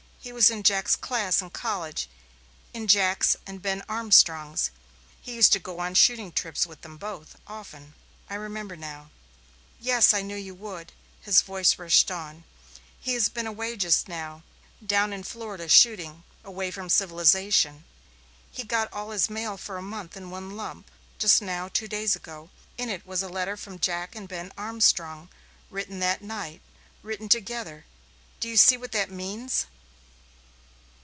He was in Jack's class in college in Jack's and Ben Armstrong's. He used to go on shooting trips with them both often." "I remember now." "Yes, I knew you would." The young voice rushed on. "He has been away just now down in Florida shooting away from civilization. He got all his mail for a month in one lump just now two days ago. In it was a letter from Jack and Ben Armstrong, written that night, written together. Do you see what that means?"